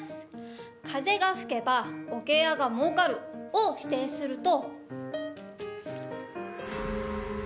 「風が吹けば桶屋がもうかる」を否定すると。